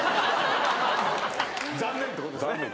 残念ってことですね。